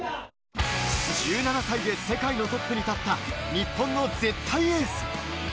１７歳で世界のトップに立った、日本の絶対エース。